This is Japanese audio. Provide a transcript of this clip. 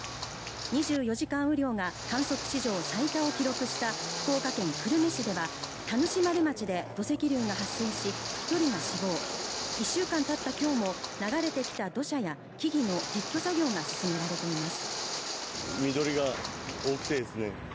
２４時間雨量が観測史上最多を記録した福岡県久留米市では田主丸町で土石流が発生し１人が死亡１週間たった今日も流れてきた土砂や木々の撤去作業が進められています。